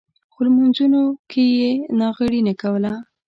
خو لمونځونو کې یې ناغېړي نه کوله.